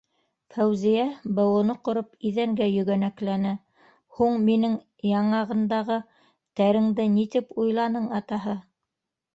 - Фәүзиә, быуыны ҡороп иҙәнгә йөгәнәкләне. - һуң... миңең, яңағындағы... тәреңде ни тип уйланың, атаһы?!